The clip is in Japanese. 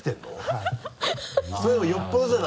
はい。